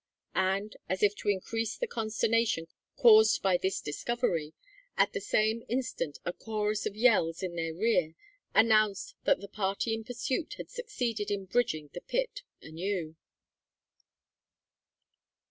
And, as if to increase the consternation caused by this discovery, at the same instant a chorus of yells in their rear announced that the party in pursuit had succeeded in bridging the pit anew.